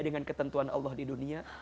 dengan ketentuan allah di dunia